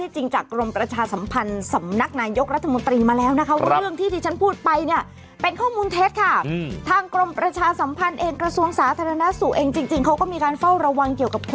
จริงหรือเปล่าจริงหรือไม่